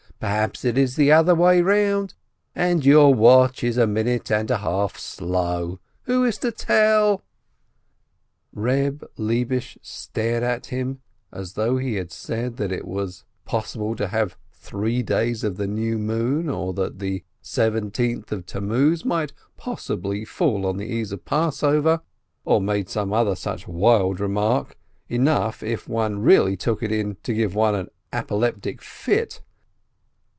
Perhaps it is the other way about, and your watch is a minute and a half slow? Who is to tell?" Eeb Lebish stared at him as though he had said that it was possible to have three days of New Moon, or that the Seventeenth of Tammuz might possibly fall on the Eve of Passover, or made some other such wild remark, enough, if one really took it in, to give one an apoplectic fit.